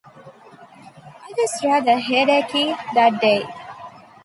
I was rather headachy that day.